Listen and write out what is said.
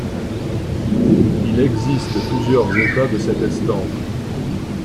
Il existe plusieurs états de cette estampe.